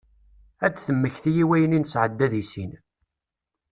Ad temmekti i wayen i nesɛedda d issin.